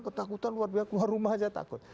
ketakutan luar biasa keluar rumah saja takut